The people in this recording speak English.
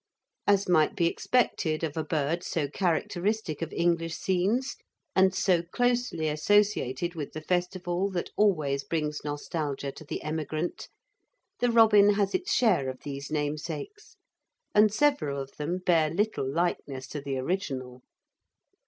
As might be expected of a bird so characteristic of English scenes, and so closely associated with the festival that always brings nostalgia to the emigrant, the robin has its share of these namesakes, and several of them bear little likeness to the original.